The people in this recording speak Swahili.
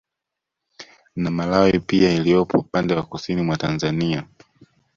Na malawi pia iliyopo upande wa Kusini mwa Tanzania